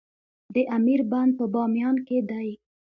د امیر بند په بامیان کې دی